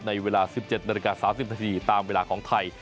ในเวลา๑๗นาฬิกา๓๐นาทีตามเวลาของไทย